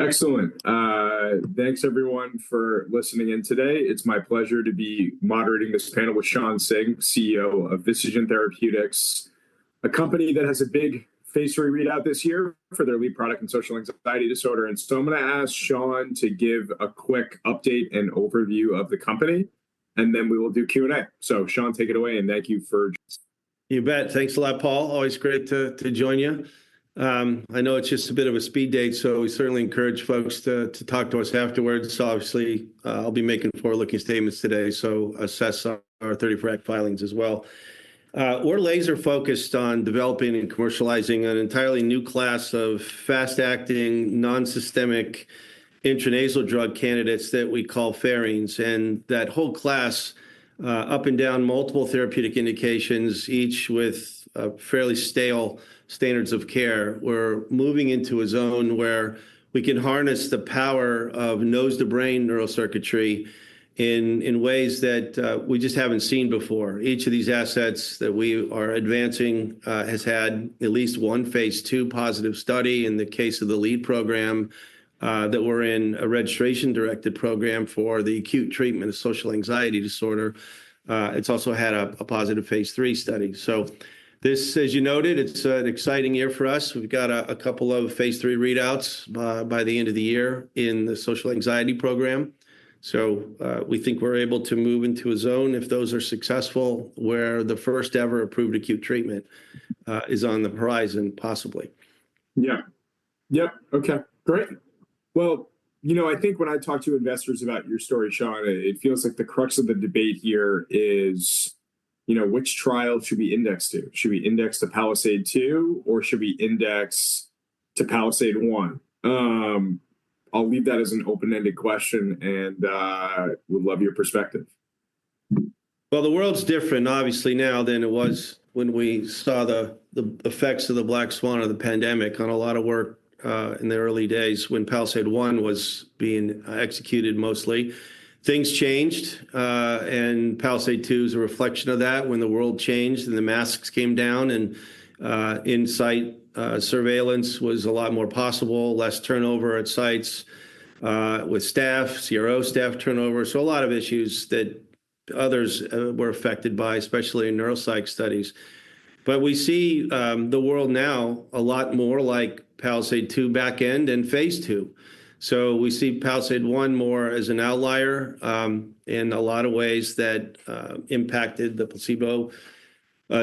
Excellent. Thanks, everyone, for listening in today. It's my pleasure to be moderating this panel with Shawn Singh, CEO of Vistagen Therapeutics, a company that has a big phase III readout this year for their lead product in social anxiety disorder. I'm going to ask Shawn to give a quick update and overview of the company, and then we will do Q&A. Shawn, take it away, and thank you for. You bet. Thanks a lot, Paul. Always great to join you. I know it's just a bit of a speed date, so we certainly encourage folks to talk to us afterwards. Obviously, I'll be making forward-looking statements today to assess our 1934 Act filings as well. We're laser-focused on developing and commercializing an entirely new class of fast-acting, non-systemic intranasal drug candidates that we call pherines. That whole class, up and down multiple therapeutic indications, each with fairly stale standards of care, we're moving into a zone where we can harness the power of nose-to-brain neurocircuitry in ways that we just haven't seen before. Each of these assets that we are advancing has had at least one phase II positive study in the case of the lead program that we're in, a registration-directed program for the acute treatment of social anxiety disorder. It's also had a positive phase III study. As you noted, it's an exciting year for us. We've got a couple of phase III readouts by the end of the year in the social anxiety program. We think we're able to move into a zone, if those are successful, where the first-ever approved acute treatment is on the horizon, possibly. Yeah. Yep. Okay. Great. You know, I think when I talk to investors about your story, Shawn, it feels like the crux of the debate here is, you know, which trial should we index to? Should we index to PALISADE-2, or should we index to PALISADE-1? I'll leave that as an open-ended question, and would love your perspective. The world's different, obviously, now than it was when we saw the effects of the Black Swan or the pandemic on a lot of work in the early days when PALISADE-1 was being executed mostly. Things changed, and PALISADE-2 is a reflection of that when the world changed and the masks came down, and in-site surveillance was a lot more possible, less turnover at sites with staff, CRO staff turnover. A lot of issues that others were affected by, especially in neuropsych studies. We see the world now a lot more like PALISADE-2 back end and phase II. We see PALISADE-1 more as an outlier in a lot of ways that impacted the placebo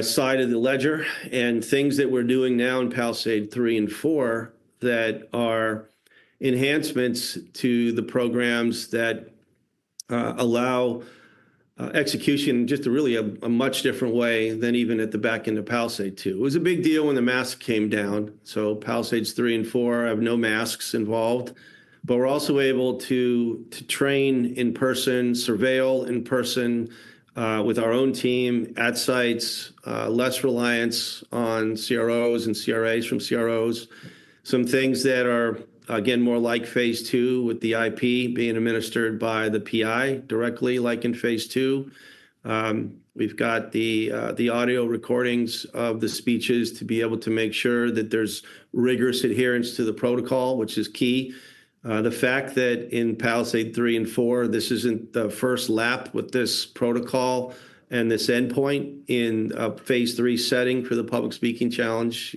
side of the ledger. Things that we're doing now in PALISADE-3 and 4 are enhancements to the programs that allow execution just really in a much different way than even at the back end of PALISADE-2. It was a big deal when the masks came down. PALISADE-3 and 4 have no masks involved, but we're also able to train in person, surveil in person with our own team at sites, less reliance on CROs and CRAs from CROs. Some things that are, again, more like phase II with the IP being administered by the PI directly, like in phase II. We've got the audio recordings of the speeches to be able to make sure that there's rigorous adherence to the protocol, which is key. The fact that in PALISADE-3 and 4, this isn't the first lap with this protocol and this endpoint in a phase III setting for the public speaking challenge.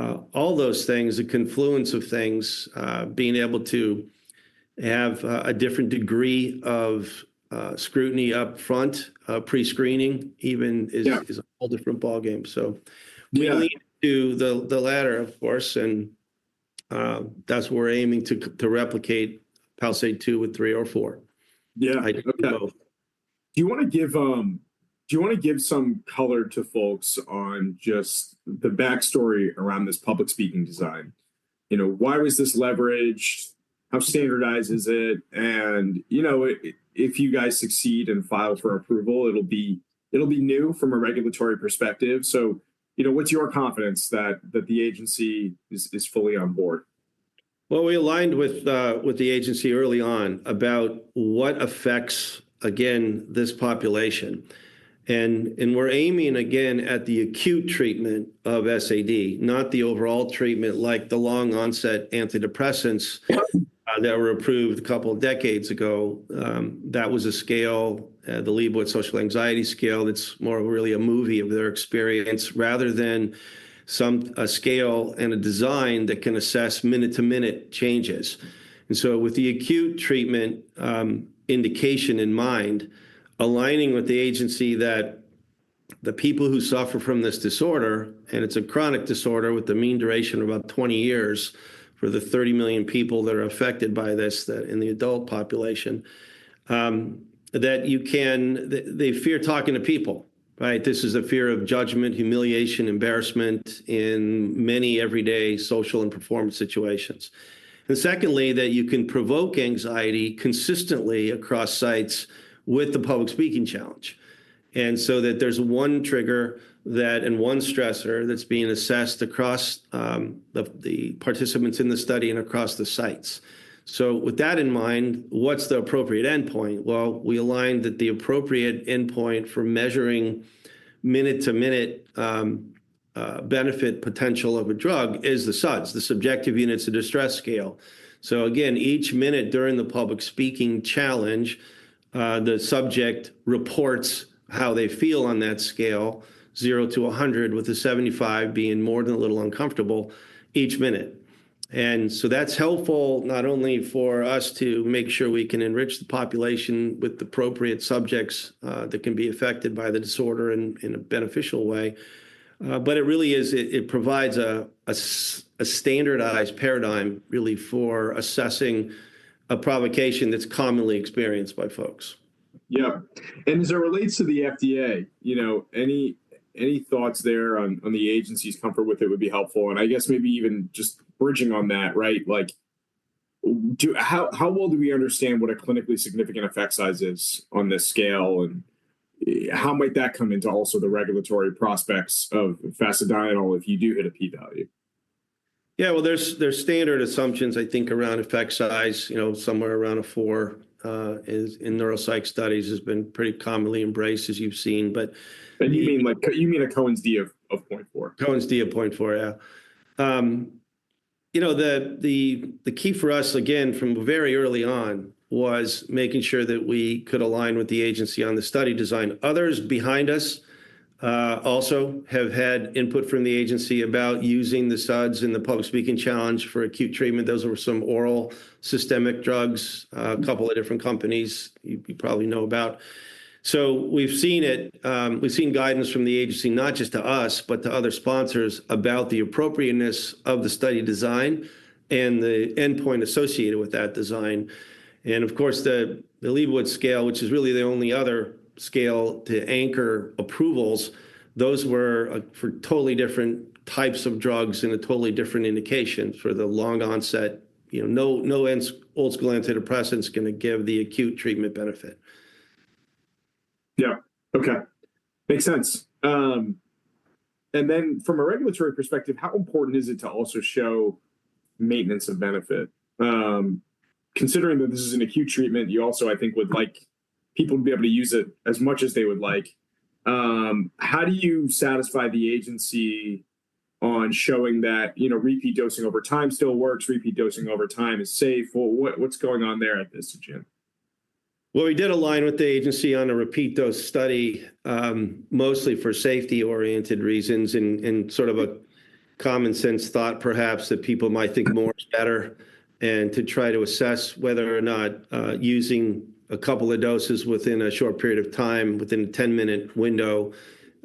All those things, the confluence of things, being able to have a different degree of scrutiny upfront, pre-screening even is a whole different ballgame. We lean to the latter, of course, and that's what we're aiming to replicate, PALISADE-2 with 3 or 4. Yeah. Do you want to give some color to folks on just the backstory around this public speaking design? You know, why was this leveraged? How standardized is it? You know, if you guys succeed and file for approval, it'll be new from a regulatory perspective. You know, what's your confidence that the agency is fully on board? We aligned with the agency early on about what affects, again, this population. We're aiming, again, at the acute treatment of SAD, not the overall treatment like the long-onset antidepressants that were approved a couple of decades ago. That was a scale, the Liebowitz Social Anxiety Scale. It's more really a movie of their experience rather than a scale and a design that can assess minute-to-minute changes. With the acute treatment indication in mind, aligning with the agency that the people who suffer from this disorder, and it's a chronic disorder with a mean duration of about 20 years for the 30 million people that are affected by this in the adult population, that you can they fear talking to people, right? This is a fear of judgment, humiliation, embarrassment in many everyday social and performance situations. Secondly, that you can provoke anxiety consistently across sites with the public speaking challenge. That means there's one trigger and one stressor that's being assessed across the participants in the study and across the sites. With that in mind, what's the appropriate endpoint? We aligned that the appropriate endpoint for measuring minute-to-minute benefit potential of a drug is the SUDS, the Subjective Units of Distress Scale. Each minute during the public speaking challenge, the subject reports how they feel on that scale, 0 to 100, with a 75 being more than a little uncomfortable each minute. That's helpful not only for us to make sure we can enrich the population with the appropriate subjects that can be affected by the disorder in a beneficial way, but it really provides a standardized paradigm, really, for assessing a provocation that's commonly experienced by folks. Yeah. As it relates to the FDA, you know, any thoughts there on the agency's comfort with it would be helpful. I guess maybe even just bridging on that, right? Like, how well do we understand what a clinically significant effect size is on this scale, and how might that come into also the regulatory prospects of fasedienol if you do hit a P-value? Yeah. There are standard assumptions, I think, around effect size, you know, somewhere around a 0.4 in neuropsych studies has been pretty commonly embraced, as you've seen. You mean like you mean a Cohen's D of 0.4? Cohen's D of 0.4, yeah. You know, the key for us, again, from very early on, was making sure that we could align with the agency on the study design. Others behind us also have had input from the agency about using the SUDS in the public speaking challenge for acute treatment. Those were some oral systemic drugs, a couple of different companies you probably know about. You know, we've seen it. We've seen guidance from the agency, not just to us, but to other sponsors, about the appropriateness of the study design and the endpoint associated with that design. Of course, the Liebowitz Scale, which is really the only other scale to anchor approvals, those were for totally different types of drugs and a totally different indication for the long-onset, you know, no old-school antidepressants going to give the acute treatment benefit. Yeah. Okay. Makes sense. From a regulatory perspective, how important is it to also show maintenance of benefit? Considering that this is an acute treatment, you also, I think, would like people to be able to use it as much as they would like. How do you satisfy the agency on showing that, you know, repeat dosing over time still works, repeat dosing over time is safe? What's going on there at Vistagen? We did align with the agency on a repeat dose study, mostly for safety-oriented reasons and sort of a common sense thought, perhaps, that people might think more is better, and to try to assess whether or not using a couple of doses within a short period of time within a 10-minute window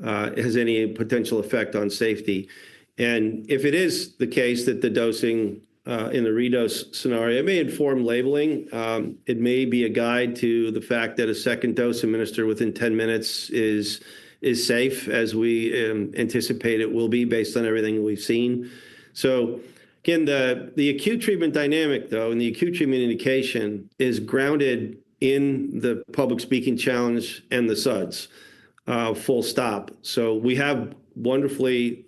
has any potential effect on safety. If it is the case that the dosing in the redose scenario, it may inform labeling. It may be a guide to the fact that a second dose administered within 10 minutes is safe, as we anticipate it will be based on everything we've seen. Again, the acute treatment dynamic, though, and the acute treatment indication is grounded in the public speaking challenge and the SUDS. Full stop. We have wonderfully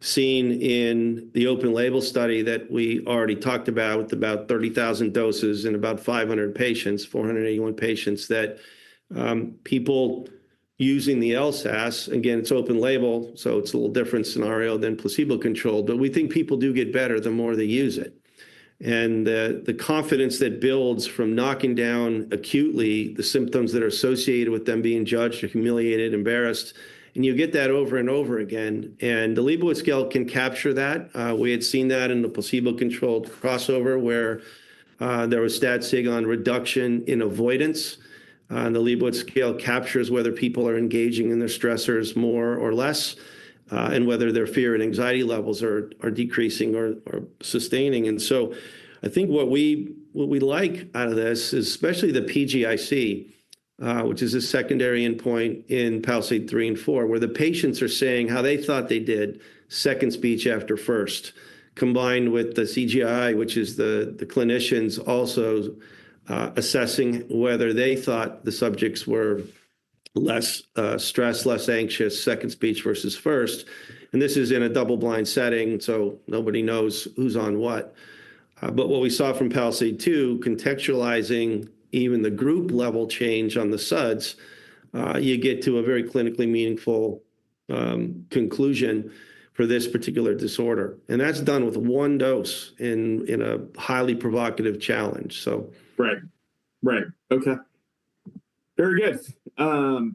seen in the open label study that we already talked about, about 30,000 doses in about 500 patients, 481 patients, that people using the LSAS, again, it's open label, so it's a little different scenario than placebo-controlled, but we think people do get better the more they use it. The confidence that builds from knocking down acutely the symptoms that are associated with them being judged or humiliated, embarrassed, and you get that over and over again. The Liebowitz Scale can capture that. We had seen that in the placebo-controlled crossover where there was stat-sig on reduction in avoidance. The Liebowitz Scale captures whether people are engaging in their stressors more or less and whether their fear and anxiety levels are decreasing or sustaining. I think what we like out of this is especially the PGIC, which is a secondary endpoint in PALISADE-3 and PALISADE-4, where the patients are saying how they thought they did second speech after first, combined with the CGI, which is the clinicians also assessing whether they thought the subjects were less stressed, less anxious, second speech versus first. This is in a double-blind setting, so nobody knows who's on what. What we saw from PALISADE-2, contextualizing even the group-level change on the SUDS, you get to a very clinically meaningful conclusion for this particular disorder. That's done with one dose in a highly provocative challenge, so. Right. Right. Okay. Very good.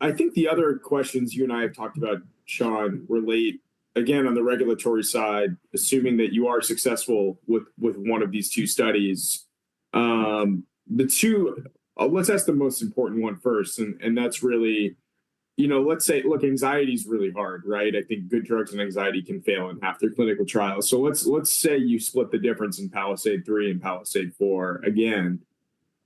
I think the other questions you and I have talked about, Shawn, relate, again, on the regulatory side, assuming that you are successful with one of these two studies. The two, let's ask the most important one first, and that's really, you know, let's say, look, anxiety is really hard, right? I think good drugs and anxiety can fail in half their clinical trials. So, let's say you split the difference in PALISADE-3 and PALISADE-4. Again,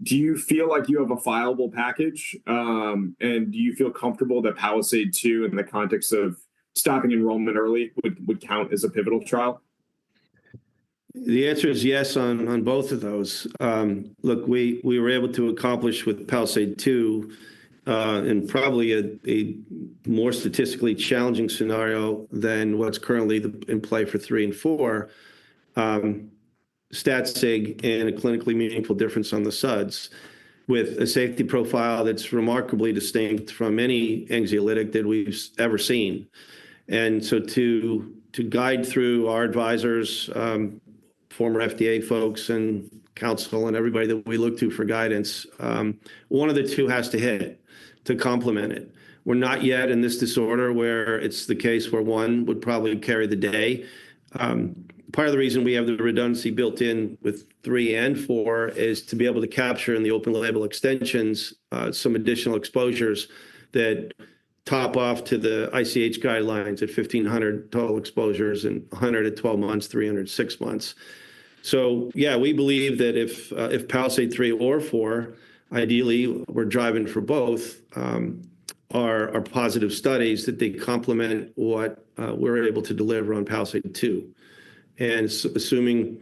do you feel like you have a viable package, and do you feel comfortable that PALISADE-2, in the context of stopping enrollment early, would count as a pivotal trial? The answer is yes on both of those. Look, we were able to accomplish with PALISADE-2 in probably a more statistically challenging scenario than what's currently in play for three and four, stat-sig and a clinically meaningful difference on the SUDS with a safety profile that's remarkably distinct from any anxiolytic that we've ever seen. To guide through our advisors, former FDA folks, and counsel, and everybody that we look to for guidance, one of the two has to hit to complement it. We're not yet in this disorder where it's the case where one would probably carry the day. Part of the reason we have the redundancy built in with three and four is to be able to capture in the open label extensions some additional exposures that top off to the ICH guidelines at 1,500 total exposures and 100 at 12 months, 300 at 6 months. Yeah, we believe that if PALISADE-3 or 4, ideally, we're driving for both, are positive studies that they complement what we're able to deliver on PALISADE-2. Assuming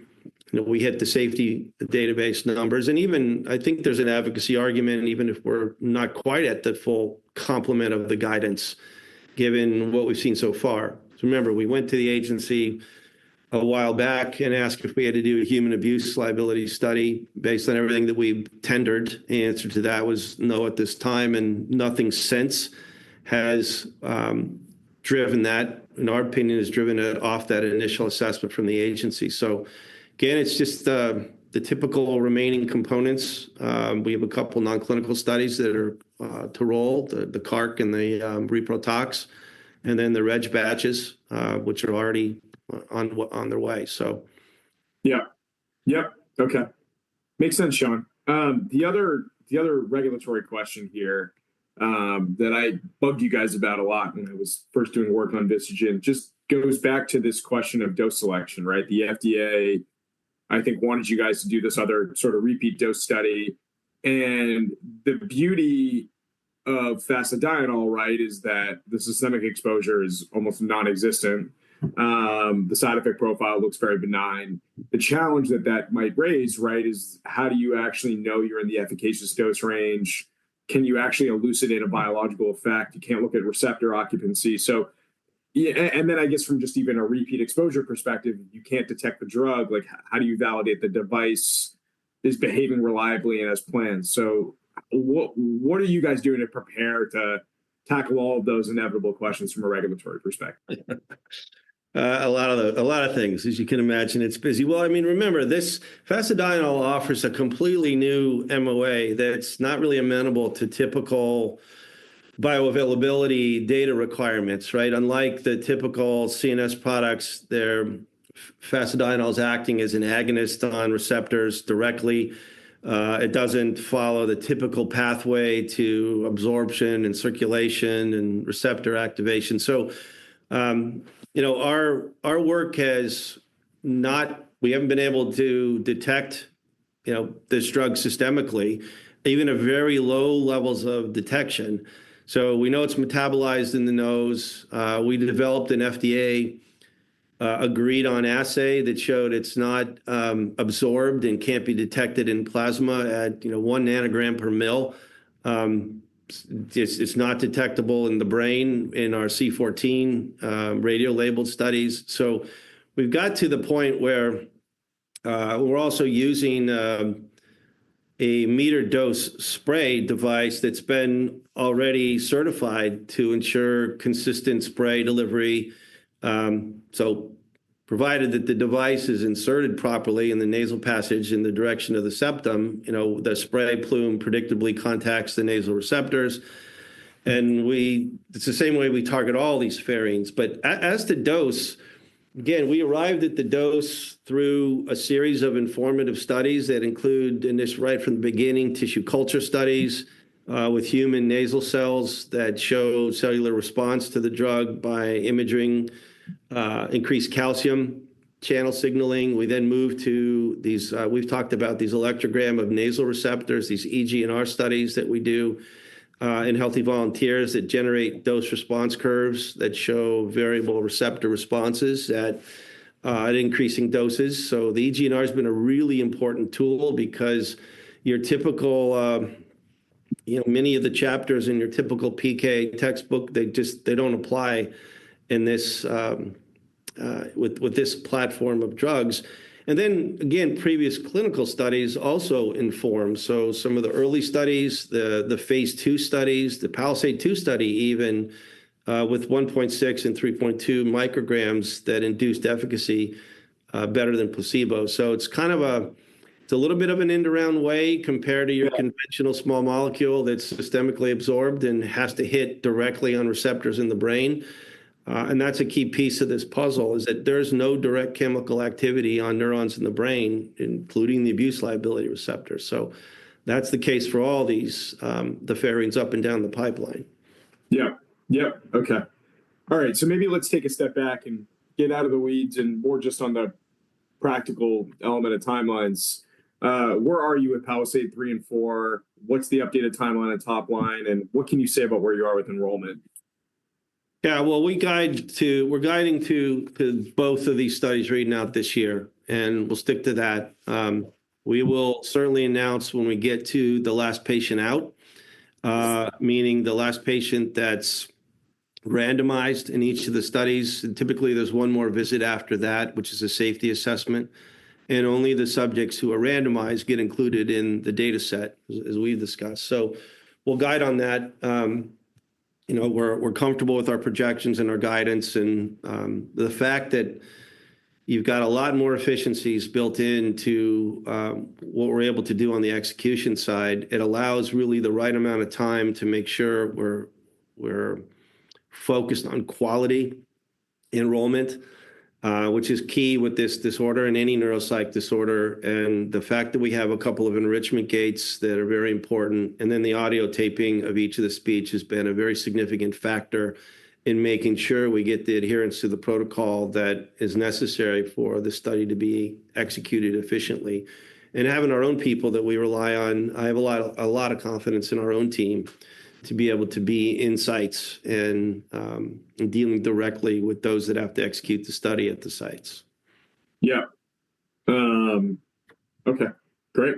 we hit the safety database numbers, and even I think there's an advocacy argument, even if we're not quite at the full complement of the guidance given what we've seen so far. Remember, we went to the agency a while back and asked if we had to do a human abuse liability study based on everything that we tendered. The answer to that was no at this time, and nothing since has driven that, in our opinion, has driven it off that initial assessment from the agency. It is just the typical remaining components. We have a couple of non-clinical studies that are to roll, the CARC and the reprotox, and then the Reg batches, which are already on their way. Yeah. Yep. Okay. Makes sense, Shawn. The other regulatory question here that I bugged you guys about a lot when I was first doing work on Vistagen just goes back to this question of dose selection, right? The FDA, I think, wanted you guys to do this other sort of repeat dose study. And the beauty of fasedienol, right, is that the systemic exposure is almost nonexistent. The side effect profile looks very benign. The challenge that that might raise, right, is how do you actually know you're in the efficacious dose range? Can you actually elucidate a biological effect? You can't look at receptor occupancy. I guess from just even a repeat exposure perspective, you can't detect the drug. Like, how do you validate the device is behaving reliably and as planned? What are you guys doing to prepare to tackle all of those inevitable questions from a regulatory perspective? A lot of things, as you can imagine. It's busy. I mean, remember, this fasedienol offers a completely new MOA that's not really amenable to typical bioavailability data requirements, right? Unlike the typical CNS products, fasedienol is acting as an agonist on receptors directly. It doesn't follow the typical pathway to absorption and circulation and receptor activation. You know, our work has not we haven't been able to detect, you know, this drug systemically, even at very low levels of detection. You know it's metabolized in the nose. We developed an FDA-agreed-on assay that showed it's not absorbed and can't be detected in plasma at, you know, one nanogram per mL. It's not detectable in the brain in our C14 radio-labeled studies. We've got to the point where we're also using a metered-dose spray device that's been already certified to ensure consistent spray delivery. Provided that the device is inserted properly in the nasal passage in the direction of the septum, you know, the spray plume predictably contacts the nasal receptors. We target all these variants the same way. As to dose, again, we arrived at the dose through a series of informative studies that include, right from the beginning, tissue culture studies with human nasal cells that show cellular response to the drug by imaging, increased calcium channel signaling. We then moved to these, we've talked about these electrogram of nasal receptors, these EGNR studies that we do in healthy volunteers that generate dose response curves that show variable receptor responses at increasing doses. The EGNR has been a really important tool because your typical, you know, many of the chapters in your typical PK textbook, they just do not apply in this with this platform of drugs. Previous clinical studies also informed. Some of the early studies, the phase II studies, the PALISADE-2 study even with 1.6 and 3.2 micrograms that induced efficacy better than placebo. It is kind of a little bit of an end-around way compared to your conventional small molecule that is systemically absorbed and has to hit directly on receptors in the brain. A key piece of this puzzle is that there is no direct chemical activity on neurons in the brain, including the abuse liability receptor. That is the case for all these, the variants up and down the pipeline. Yeah. Yep. Okay. All right. Maybe let's take a step back and get out of the weeds and more just on the practical element of timelines. Where are you with PALISADE-3 and 4? What's the updated timeline on top line? And what can you say about where you are with enrollment? Yeah. We guide to we're guiding to both of these studies reading out this year, and we'll stick to that. We will certainly announce when we get to the last patient out, meaning the last patient that's randomized in each of the studies. Typically, there's one more visit after that, which is a safety assessment. Only the subjects who are randomized get included in the dataset, as we've discussed. We'll guide on that. You know, we're comfortable with our projections and our guidance. The fact that you've got a lot more efficiencies built into what we're able to do on the execution side, it allows really the right amount of time to make sure we're focused on quality enrollment, which is key with this disorder and any neuropsych disorder, and the fact that we have a couple of enrichment gates that are very important. The audio taping of each of the speech has been a very significant factor in making sure we get the adherence to the protocol that is necessary for the study to be executed efficiently. Having our own people that we rely on, I have a lot of confidence in our own team to be able to be in sites and dealing directly with those that have to execute the study at the sites. Yeah. Okay. Great.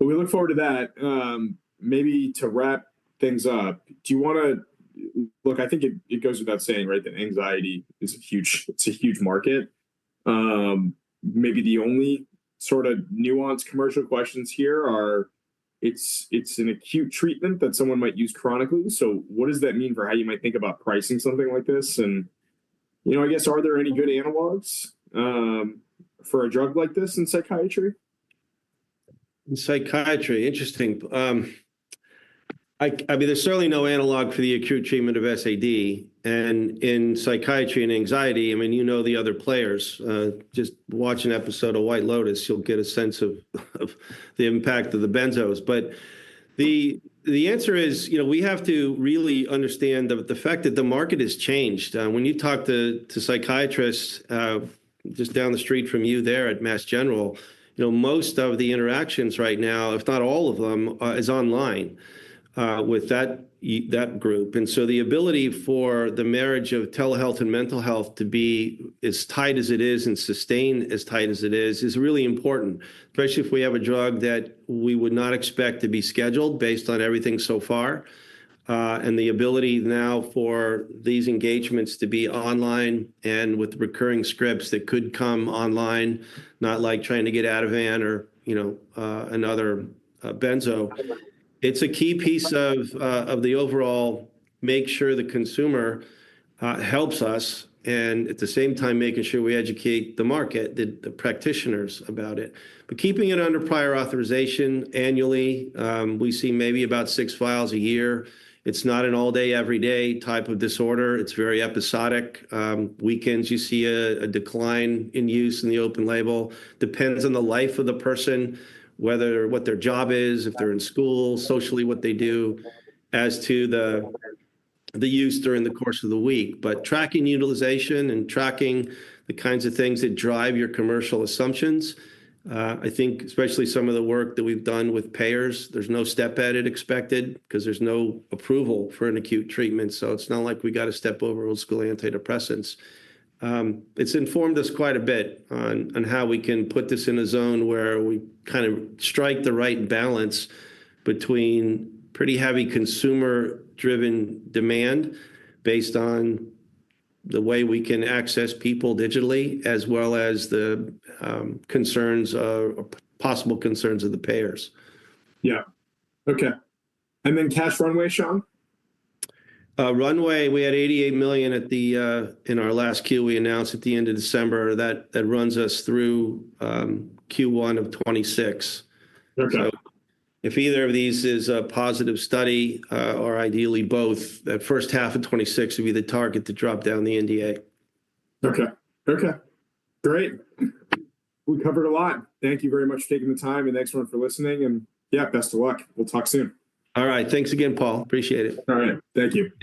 We look forward to that. Maybe to wrap things up, do you want to look, I think it goes without saying, right, that anxiety is a huge market. Maybe the only sort of nuanced commercial questions here are it's an acute treatment that someone might use chronically. What does that mean for how you might think about pricing something like this? You know, I guess, are there any good analogs for a drug like this in psychiatry? In psychiatry, interesting. I mean, there's certainly no analog for the acute treatment of SAD. And in psychiatry and anxiety, I mean, you know the other players. Just watch an episode of White Lotus, you'll get a sense of the impact of the benzos. But the answer is, you know, we have to really understand the fact that the market has changed. When you talk to psychiatrists just down the street from you there at Massachusetts General Hospital, you know, most of the interactions right now, if not all of them, is online with that group. And so, the ability for the marriage of telehealth and mental health to be as tight as it is and sustain as tight as it is is really important, especially if we have a drug that we would not expect to be scheduled based on everything so far. The ability now for these engagements to be online and with recurring scripts that could come online, not like trying to get Ativan or, you know, another benzo. It's a key piece of the overall make sure the consumer helps us and at the same time making sure we educate the market, the practitioners about it. Keeping it under prior authorization annually, we see maybe about six files a year. It's not an all-day, every-day type of disorder. It's very episodic. Weekends, you see a decline in use in the open label. Depends on the life of the person, whether what their job is, if they're in school, socially what they do as to the use during the course of the week. Tracking utilization and tracking the kinds of things that drive your commercial assumptions, I think, especially some of the work that we've done with Payors, there's no step added expected because there's no approval for an acute treatment. It's not like we got to step over old-school antidepressants. It's informed us quite a bit on how we can put this in a zone where we kind of strike the right balance between pretty heavy consumer-driven demand based on the way we can access people digitally as well as the concerns or possible concerns of the Payors. Yeah. Okay. And then cash runway, Shawn? Runway, we had $88 million at the in our last Q we announced at the end of December. That runs us through Q1 of 2026. Okay. If either of these is a positive study or ideally both, that first half of 2026 will be the target to drop down the NDA. Okay. Okay. Great. We covered a lot. Thank you very much for taking the time and excellent for listening. Yeah, best of luck. We'll talk soon. All right. Thanks again, Paul. Appreciate it. All right. Thank you.